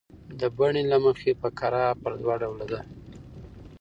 د بڼي له مخه فقره پر دوه ډوله ده.